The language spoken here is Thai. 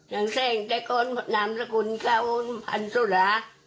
นางแซ่งแต่ก่อนนามสกุลก็พันธุระ